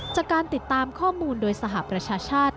จากการติดตามข้อมูลโดยสหประชาชาติ